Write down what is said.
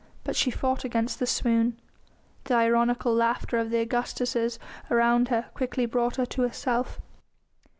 But she fought against the swoon. The ironical laughter of the Augustas round her quickly brought her to herself.